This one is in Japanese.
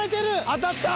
当たった。